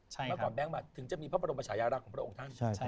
เมื่อก่อนแบงค์มาถึงจะมีพระบรมชายารักษ์ของพระองค์ท่าน